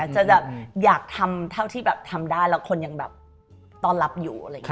จะอยากทำเท่าที่ทำได้แล้วคนยังต้อนรับอยู่